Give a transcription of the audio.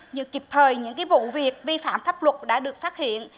như kịp thời những vụ việc vi phạm pháp luật đã được phát hiện